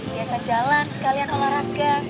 biasa jalan sekalian olahraga